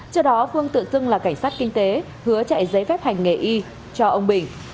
trước đó phương tự xưng là cảnh sát kinh tế hứa chạy giấy phép hành nghề y cho ông bình